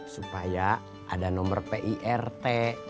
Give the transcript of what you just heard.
supaya ada nomor pirt